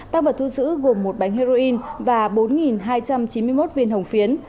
tăng vật thu giữ gồm một bánh heroin và bốn hai trăm chín mươi một viên hồng phiến